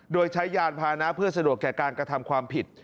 โดยใช้ยานพานะเพื่อสะดวกแก่การกระทำความผิด